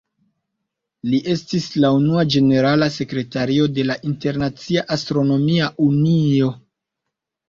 Li estis la unua ĝenerala sekretario de la Internacia Astronomia Unio.